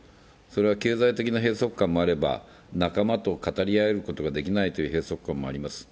経済的な閉塞感もあれば、仲間と語り合うことができないという閉塞感もあります。